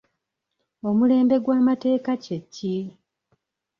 Omulembe gw'amateeka kye ki?